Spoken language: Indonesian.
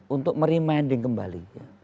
untuk merimanding kembali